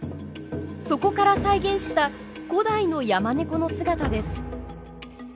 そこから再現した古代のヤマネコの姿です。